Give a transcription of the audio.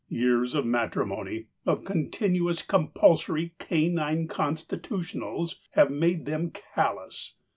Years of matrimony, of continuous compulsory canine constitutionals, have made them callous.